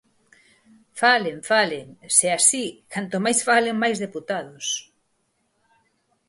Falen, falen, se así, canto máis falen, máis deputados.